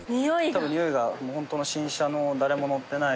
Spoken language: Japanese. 多分においがホントの新車の誰も乗ってない。